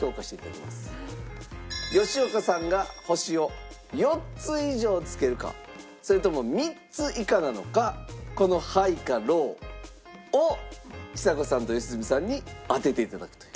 吉岡さんが星を４つ以上つけるかそれとも３つ以下なのかこのハイかローをちさ子さんと良純さんに当てて頂くという。